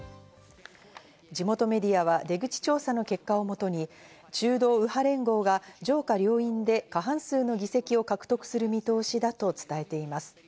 地元メディアは出口調査の結果をもとに、中道右派連合が上下両院で過半数の議席を獲得する見通しだと伝えています。